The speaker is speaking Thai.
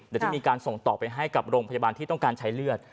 เดี๋ยวจะมีการส่งต่อไปให้กับโรงพยาบาลที่ต้องการใช้เลือด